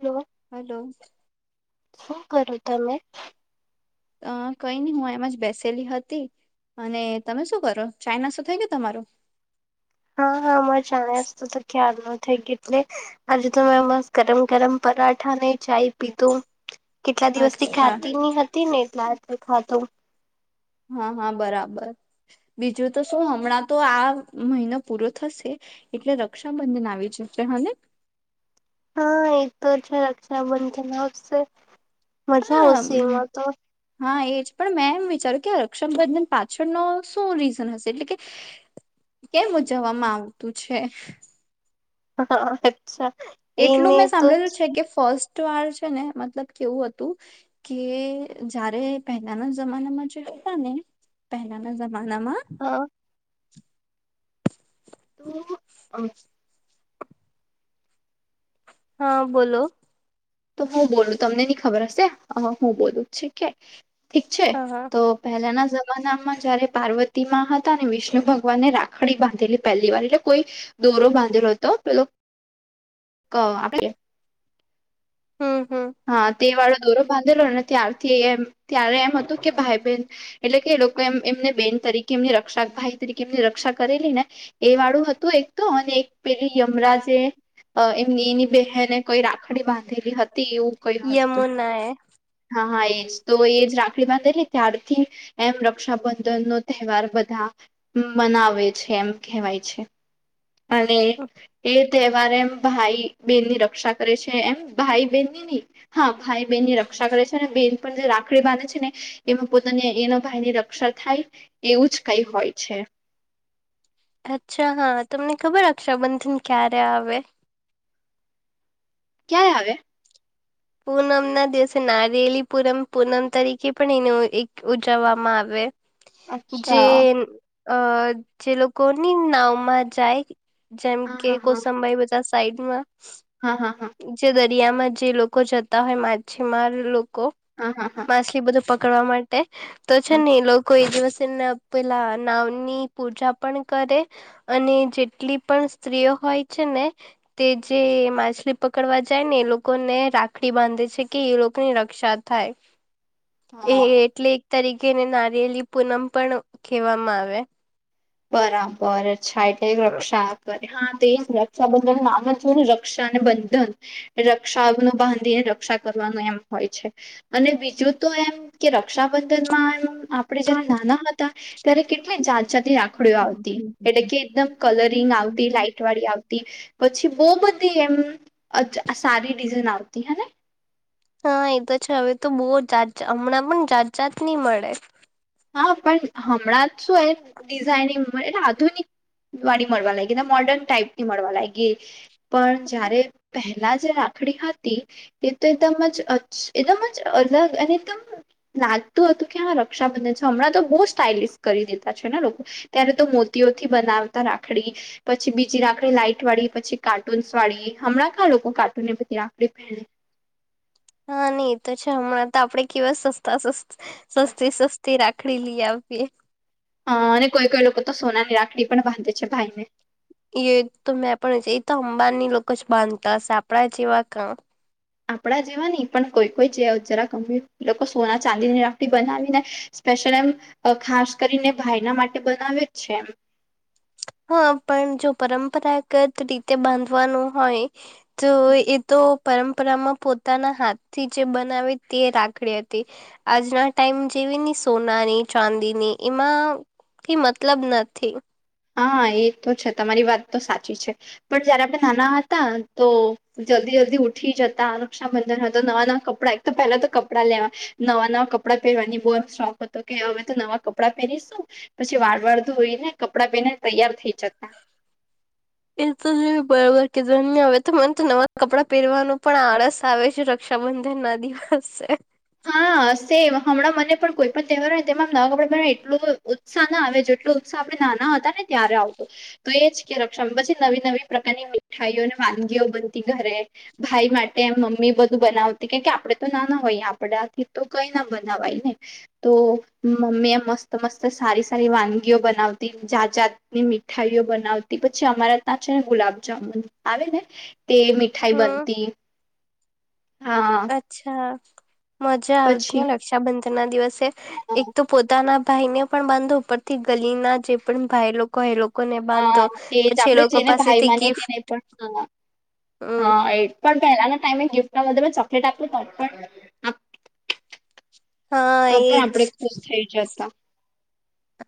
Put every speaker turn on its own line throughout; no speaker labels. Hello.
Hello.
શું કરો તમે?
અ કઈ ન હું એમાં જ બેસેલી હતી. અને તમે શું કરો ચાઈના શું થઈ ગયો તમારો?
હા હા મજા સત તો ખ્યાલ ન થ ઘટલે આજે તો મેં બસ ગરમ ગરમ પરાઠા નહી ચાય પીતો. કેટલા દિવસ થી
અચ્છા
ખાતી ની હતી ને એટલા ખાતું
હા હા બરાબર બીજું તો શું હમણાં તો આ મહિનો પૂરો થશે. એટલે રક્ષાબંધન આવી જશે હને.
હા એ તો છે રક્ષાબંધ ખફ છે મજા
હા
આવશે
હમ,
એમાં તો
હા એ જ પણ મેં એમ વિચાર્યું કે રક્ષાબંધન પાછળનો શું રીઝન હશે એટલે કે કેમ ઉજવામાં આવતું છે?
હા અચ્છા.
એટલું
એને
મેં
તો
સાંભળેલું છે કે, ફર્સ્ટ વાર છે ને મતલબ કેવું હતું. કે જયારે પહેલાના જમાનામાં જો હતા ને. પહેલાના જમાનામાં.
હ. તો.
હા બોલો.
તો હું બોલું તમને નહી ખબર હશે હું બોલું ઠીક છે ઠીક છે
હા હા
તો. પહેલાના જમાનામાં જયારે પાર્વતી માં હતા ને, વિષ્ણુ ભગવાનને રાખડી બાંધેલી પહેલી વાર એટલે કોઈ. દોરો બાંધેલો હતો. પેલો ક આપ.
હમ્મ હમ્મ.
હા તે વાળો દોરો બાંધેલો. અને ત્યારથી એમ ત્યારે એમ હતું કે ભાઈ બહેન. એટલે કે એ લોકો એમ એમને બેન તરીકે એમની રક્ષા ભાઈ તરીકે એમની રક્ષા કરેલી ને. એ વાળું હતું એક. તો અને એક પેલી યમરાજે. અ એમની એની બહેને કઈ રાખડી બાંધેલી હતી. એવું કઈ
યમે
હતું. હા હા એજ તો એજ રાખડી વાત એ ને ત્યારથી. એમ રક્ષાબંધન નો તહેવાર બધા. બનાવે છે એમ કહેવાય છે. અને એ તહેવાર એમ ભાઈ બેહેનની રક્ષા કરે છે એમ. ભાઈ બહેન ની નહીં. હા ભાઈ બહેન ની રક્ષા કરે છે. અને બેન પર જે રાખડી બાંધે છે ને. એમાં પોતાની એના ભાઈની રક્ષા થાય. એવું જ કઈ હોય છે.
અચ્છા હા! તમને ખબર રક્ષાબંધન ક્યારે આવે?
ક્યાં આવે?
પૂનમ ના દિવસે નારેિયેલી પૂનમ પૂનમ તરીકે પણ એને ઉજવવામાં આવે. જે
અચ્છા
અ જે લોકોની નાવમાં જાય. જેમ
હા
કે,
હા હા
કોસંબાઈ બજાર સાઈડમાં.
હા હા હા.
જે દરિયામાં જે લોકો જતા હોય માછીમાર લોકો.
હા હા હા.
માછલી બધું પકડવા માટે તો છે ને લો કોઈ દિવસે એના પેલા નામ ની પૂજા પણ કરે. અને જેટલી પણ સ્ત્રીઓ હોય છે ને તે જે માછલી પકડવા જાય ને એ લોકોને રાખડી બાંધે છે. કે એ લોકોની રક્ષા થાય. એ એટલે એક તરીકેને નારિયેલી પૂનમ પણ કહેવામાં આવે.
બરાબર અચ્છા. એટલે રક્ષા કરે હા તે જ રક્ષા બધ. [unintelligible] થોડું રક્ષા અને બંધન. રક્ષા ન બાંધીને રક્ષા કરવાનું એમ હોય છે. અને બીજું તો એમ, કે રક્ષાબંધનમાં એમ. આપડે જયારે નાના હતા, ત્યારે કેટલી જાત જાતની રાખડીઓ આવતી. એટલે કે એકદમ કલરિંગ આવતી. લાાઈટ વાળી આવતી. પછી બહુ બધી એમ. અચ્છા સારી ડિઝાઇન આવતી હ ને.
હા! એ તો છે. હવે તો બહુ જાત જા હમણાં પણ જાત જાત ની મળે.
હા! પણ હમણાં જ શું એમ ડિઝાઈનિંગ એટલે આધુનિક. વાળી મળવા લાગી. મોર્ડર્ન ટાઈપની મળવા લાગી. પણ જયારે પહે લા જે રાખડી હતી તે તો એકદમ જ એકદમ જ અલગ અને એકદમ. લાગતું હતું કે રક્ષા બંધન છે. હમણાં તો બહુ સ્ટાઇલિશ કરી દીધા છે ને. લોકો ત્યારે તો મોતીઓથી બનાવતા રાખડી. પછી બીજી રાખડી લાઈટ વાળી. પછી કાર્ટૂનસ વાળી. હમણાં કા લોકો કાર્ટૂનને બધી રાખડી પહે‌ને.
હા! નહી એ તો છે હમણાં તો આપડે કેવા સસ્તા સસ્ સસ્તી સસ્તી રાખડી લઈ આપીએ
હ અને કોઈ કોઈ લોકો તો સોનાની રાખડી પણ બાંધે છે ભાઈ ને
એ તો મેં પણ એ તો અંબાની લોકો જ બાંધતા હશે આપણા જેવા કા
આપણા જેવા ની પણ કોઈ કોઈ જે જરા ગમ એ લોકો સોના ચાંદીની રાખડી બનાવી ને સ્પેશયલ એમ ખાસ કરીને ભાઈના માટે બનાવે જ છે એમ
હા પણ જો પરંપરાગત રીતે બાંધવાનું હોય તો એ તો પરંપરામાં પોતાના હાથથી જે બનાવે તે રાખડી હતી આજના ટાઈમ જેવી ને સોનાની ચાંદીની એમાં થી મતલબ નથી
હા એ તો છે તમારી વાત તો સાચી છે. પણ જયારે આપણે નાના હતા તો જલ્દી જલ્દી ઉઠી જતા રક્ષાબંધન હતા નવા નવા કપડા તો પેલા તો કપડાં લેવા નવા નવા કપડાં પહેરવાની બહુ શોખ હતો કે હવે તો નવા કપડાં પહેરીશું પછી વારવાર ધોઈ ને કપડાં પહેને તૈયાર થઈ જતા.
[inaudible] એ તો બરોબર કેધં હવે તો મને તો નવા કપડાં પહેરવાનું પણ આળસ આવે છે. ર ક્ષાબંધન ના દિવસે.
હસે હમણાં મને પણ કોઈ પણ તહેવાર હોય તેમ નવા કપડા પેર એટલું ઉત્સાહ ના આવે જેટલ આપડે નાના હતા ને ત્યારે આવતો તો એજ કે રક્ષા પછી નવી નવી પ્રકારની મીઠાઈઓ અને વાનગીઓ બનતી ઘરે ભાઈ માટે એમ મમ્મી બધું બનાવતી કેમ કે આપડે તો ના ના હોય આપડાથી તો કઈ ના બનાવાય ને તો મમ્મી એ મસ્ત મસ્ત સારી સારી વાનગીઓ બનાવતી જાત જાત ની મીઠાઈઓ બનાવતી પછી અમારા ત્યાં છે ને ગુલાબજામુન આવે ને તે મીઠાઈ
હમ
બનતી હા
અચ્છા મજા
પછી
આવતી રક્ષાબંધન ના દિવસે
હા
એક તો પોતાના ભાઈ ને પણ બાંધો ઉપરથી ગલીના જે પણ ભાઈ લોકો એ લોકો લોકોને
હા
બાંધો
એ જ
પછી
આપણેે જેને ભાઈ
પાસેથી
માનીએ
ગિફ્ટ
તેને પણ હ
હમ
હા એ પણ પહેલાના ટાઈમે ગિફ્ટ ના બધલે ચોકલેટ આપ્યું તો પણ
હા
તો પણ
એજ
આપણેે ખુશ થઇ જતા.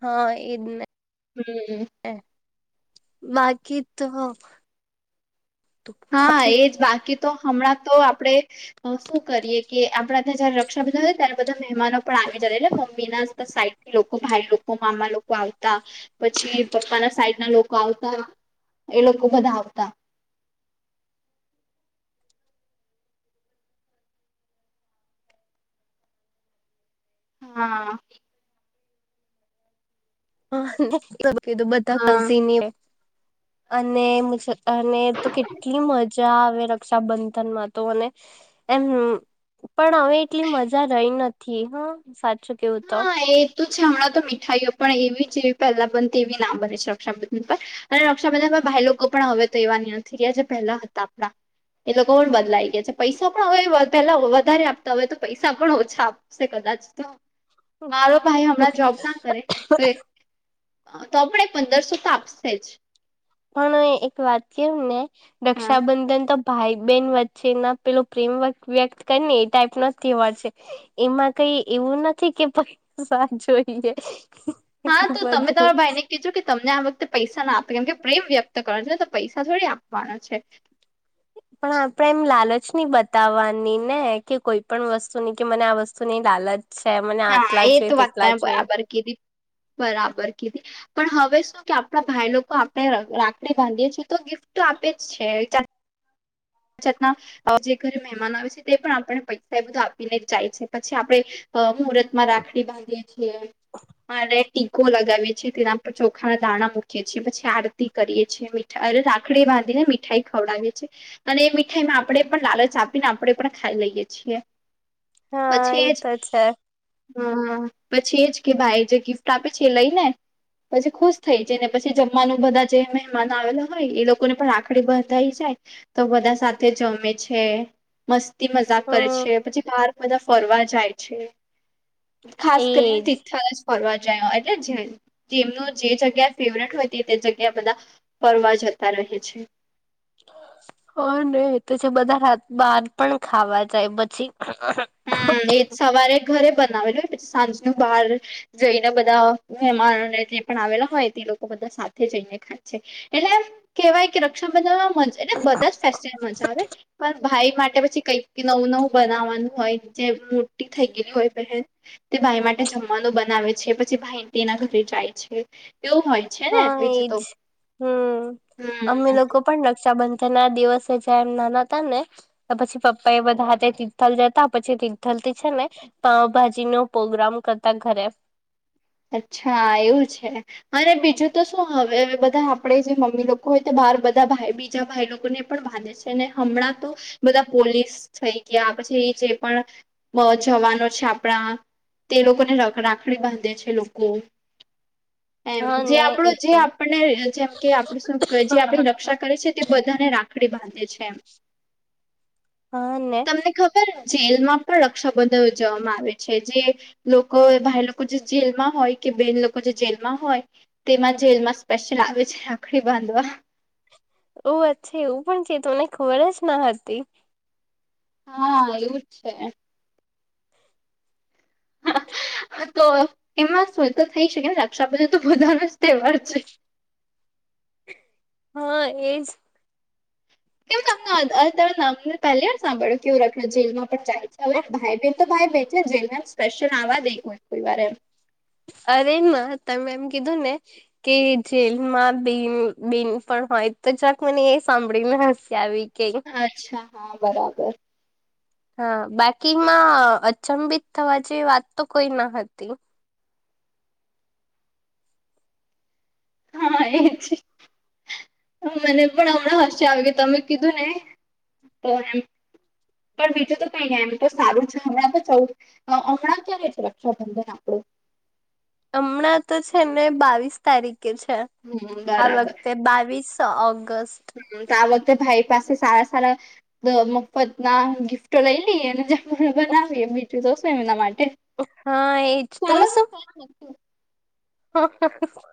હા એજ ને
હમ
બાકી તો
હા
બાકી
એજ બાકી તો હમણાં તો આપડે શું કરીએ કે આપડા ત્યાં જયારે રક્ષાબધન હોય ત્યારે બધા મહેમાનો પણ આવી જ એટલે મમ્મી ના સાઈટ. લોકો ભાઈ લોકો મામા લોકો આવતા પછી પપ્પા ના સાઈડ ના લોકો આવતા. એ લોકો બધા આવતા. હા.
હા કીધું બધા
હા
કઝીન અને. અને તો કેટલી મજા આવે રક્ષાબંધનમાં તો અને એમ. પણ હવે એટલી મજા રહી નથી હ સાચું. કેવું તો
હા એ. તો છે હમણાં તો મીઠાઈઓ પણ એવી જેવી પહેલા બનતી એવી ના બને છે રક્ષાબંધન પર. અને રક્ષાબંધનમાં ભાઈ લોકો પણ હવે તો એવા નથી રહ્યા જે પહેલા હતા આપણા. એ લોકો પણ બદલાઈ ગયા છે. પૈસા પણ હવે પેલા વધારે આપતા હોય તો પૈસા પણ ઓછા આપશે કદાચ તો. મારો ભાઈ હમણાં જોબ ના કરે. તો પણ એ પંદરસો તો આપશે જ.
પણ એક વાત કેવ ને
હા
રક્ષાબંધન તો. ભાઈ બેહેન વચ્ચે એ ના પેલો પ્રેમ વ્યક્ત કરી ને એ ટાઈપ ના તહેવાર છે. એમાં કઈ એવું નથી કે પૈસા જોઈએ.
હા તો તમે
બધું
તમારા ભાઈ ને કેજો કે તમને આ વખતે. પૈસા ના આપે કેમ કે પ્રેમ વ્યક્ત કરવા નો છે તો પૈસા થોડી આપવાનો છે.
પણ આપણેે એમ લાલચ નહી બતાવવાની ને કે કોઈ પણ વસ્તુની કે મને આ વસ્તુ ની લાલચ. છે મને
હા
આટલા
એ તો
જોઈએ
વાત
તેટલા જોઈએ
બરાબર કીધી બરાબર કીધી. પણ હવે શું કે આપણા ભાઈ લોકો આપણે રાખડી બાંધીએ છીએ તો ગિફ્ટ તો આપે જ છે. છત ના જે ઘરે મહેમાન આવે છે તે પણ આપને પૈસા એ બધું આપીને જાય છે પછી આપણે. અ મુહૂર્ત માં રાખડી બાંધીએ છીએ. મા ટીકો લગાવીએ છીએ તેના પર ચોખા ના દાણા મૂકીએ છીએ પછી આરતી કરીએ છીએ. રાખડી બાંધી ને મીઠાઈ ખવડાવે છે. અને એ મીઠાઈ માં આપણેે પણ લાલચ આપીને આપણે પણ ખાઈ લઈએ છીએ.
હા
પછી
એ
એજ.
તો છે
હા પછી એજ કે ભાઈ જે ગિફ્ટ આપે છે એ લઈ ને. પછી ખુશ થઈ જાય ને પછી જમવાનું બધા જે મહેમાન આવેલા હોય એ લોકોને પણ રાખડી બંધાઈ જાય. તો બધા સાથે જમે છે મસ્તી મજાક કરે છે
હમ
પછી બાર બધા. ફરવા જાય છે ખાસ કરીને
એજ
તીર્થ જ ફરવા જાય એટલે જે. જેમનું જે જગ્યા ફેવરેટ હોય તે તે જગ્યા બધા ફરવા જતા રહે છે.
હ ને એ તો છે બધા રાત બહાર પણ ખાવા જાય પછી.
હમ એ સવારે ઘરે બનાવે જો પછી સાંજ નુ બહાર. જઈને બધા મહેમાનોને. પણ આવેલા હોય તે લોકો બધા સાથે જઈને ખાય છે એટલે કેહેવાય કે રક્ષાબંધન આમ. એટલે બધા ફેસ્ટ મજા આવે પણ ભાઈ માટે પછી કઈક નવું નવું બનાવવાનું. હોય જે મોટી થઈ ગયલી હોય બહેન. તે ભાઈ માટે જમવાનું બનાવે છે પછી ભાઈ તેના ઘરે જાય છે એવું હોય. છે ને
હા એજ
બીજું તો
હમ
હમ
અમે લોકો. પણ રક્ષાબંધન ના દિવસે જે એમ નાના હતા ને. તો પછી પપ્પા એ બધા તિથલ જતા પછી તિર્થલ થી છે ને. પાાવભાજી નો પ્રગ્રામ કરતા ઘરે.
અચ્છા એવું છે. અને બીજું તો શું હવે બધા આપડે જે મમ્મી લોકો હોય તો બાર બધા બીજા ભાઈ લોકો ને પણ બાંધે. હમણાં તો બધા પોલીસ થઈ ગયા પછી એ જે પણ. બ જવાનો છે આપણા. તે લોકોને રાખડી બાંધે છે લોકો. એમ
હા
જે
ને
આપણો
એ
જે
પણ
આપણને જેમ કે આપડ શુંકહેવાય જે આપણી રક્ષા કરે છે. તે બધાને રાખડી બાંધે છે એમ,
હા ને
તમને ખબ ર જેલમાં પણ રક્ષાબંધન ઉજવવામાં આવે છે, જે લોકો ભાઈ લોકો જે જેલમાં હોય કે બેન લોકો જે જેલમાં હોય, તેમાં જેલમાં સ્પેશિલ આવે છે રાખડી બાંધવા.
ઓ છે એ પણ છે, ત મને ખબર જ ના હતી.
હા એવું જ છે. છે તો એમાં શું તો થઈ શકે ને રક્ષાબંધન તો બધાનો જ તહેવાર છે.
હા, એજ
કેવું તમમને પહેલી વાર સાંભળ કેવું રખડ જેલમાં જાય છે હવે ભાઈ બેન તો ભાઈ ભ છે, જેલ સ્પેશિયલ આવવા દે કો કોઈ વાર એમ
અરે તમે એમ કીધું ને કે જેલમાં બેન બેન પણ હોય તો જક મને એ સાંભળીને હસી આવી કે
અચ્છા હા બરાબર
હા બાકીમાં અચંભિત થવા જે વાત તો કોઈ ન હતી
હા એ છે મને પણ હમણાં હશે આવી તમે કીધું ને તો એમ પણ બીજું તો કઈને એમ તો સારું છે હમણાં તો ચૌ હણાં ક્યારે છે, રક્ષાબંધન આપડું
હમણાં તો છે ને બાવીસ તારીખે છે,
હમ
આ
બરાબર
વખતે બાવીસ સ ઓઑગસ્ટ
તો આ વખતે ભાઈ પાસે સારા સારા મફતના ગિફ્ટો લઈ લઈએ ને બનાવી એ મીઠું જઉશું એમના માટે
હા એ જ તમે શું
[unintelligible]
[unintelligible]